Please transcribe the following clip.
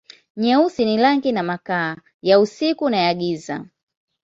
Nyeusi ni rangi na makaa, ya usiku na ya giza.